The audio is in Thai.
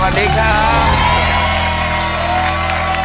สวัสดีครับ